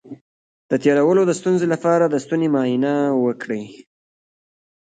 د تیرولو د ستونزې لپاره د ستوني معاینه وکړئ